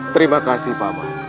terima kasih bapak